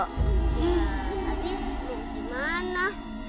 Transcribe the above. habis tuh dimana